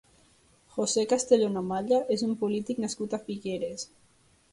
José Castellón Amalla és un polític nascut a Figueres.